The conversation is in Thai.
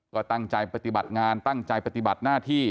ก็ตั้งใจปฏิบัติงานตั้งใจปฏิบัติหน้าที่